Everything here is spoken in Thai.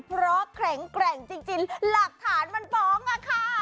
เพราะแข็งแกร่งจริงหลักฐานมันฟ้องอะค่ะ